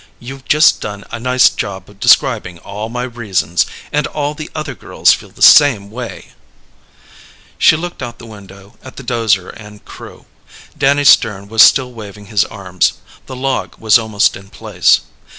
You've just done a nice job of describing all my reasons. And all the other girls feel the same way." She looked out the window at the 'dozer and crew. Danny Stern was still waving his arms; the log was almost in place.